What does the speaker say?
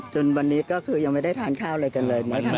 จนวันนี้ก็คือยังไม่ได้ทานข้าวอะไรกันเลย